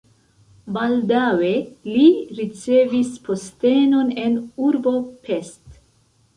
Baldaŭe li ricevis postenon en urbo Pest.